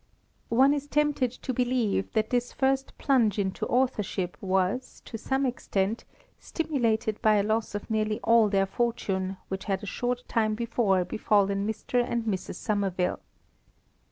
One is tempted to believe that this first plunge into authorship was, to some extent, stimulated by a loss of nearly all their fortune which had a short time before befallen Mr. and Mrs. Somerville.